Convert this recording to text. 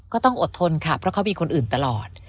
ก็ต้องอดทนค่ะเพราะเขามีคนอื่นตลอด